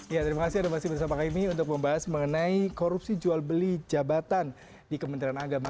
ya terima kasih anda masih bersama kami untuk membahas mengenai korupsi jual beli jabatan di kementerian agama